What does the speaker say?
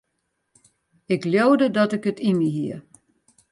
Ik leaude dat ik it yn my hie.